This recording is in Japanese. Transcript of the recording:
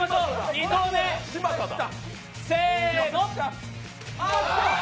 ２投目、せーの。